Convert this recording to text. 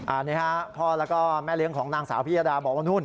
อันนี้ฮะพ่อแล้วก็แม่เลี้ยงของนางสาวพิยดาบอกว่านู่น